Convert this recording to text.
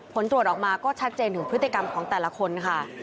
ผลตรวจออกมาก็ชัดเจนถึงพฤติกรรมของแต่ละคนค่ะ